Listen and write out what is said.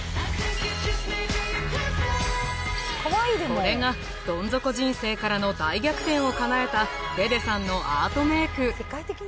これがどん底人生からの大逆転をかなえたデデさんのアートメイク